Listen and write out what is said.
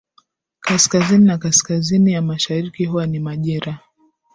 Kaskazini na kaskazini ya mashariki huwa na majira